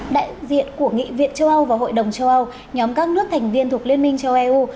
đại diện của nghị viện châu âu và hội đồng châu âu nhóm các nước thành viên thuộc liên minh châu âu